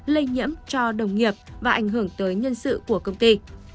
lây nhiễm cho đồng nghiệp và ảnh hưởng tới nhân sự của công ty